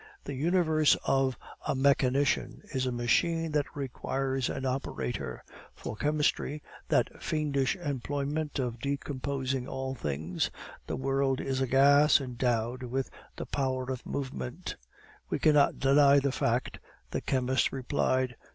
The universe for a mechanician is a machine that requires an operator; for chemistry that fiendish employment of decomposing all things the world is a gas endowed with the power of movement. "We cannot deny the fact," the chemist replied.